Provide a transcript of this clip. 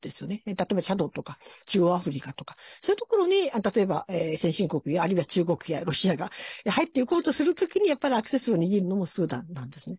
例えばチャドとか中央アフリカとかそういうところに例えば先進国あるいは中国やロシアが入っていこうとする時にやっぱりアクセスを握るのもスーダンなんですね。